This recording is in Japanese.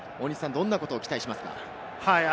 どんなことを期待しますか？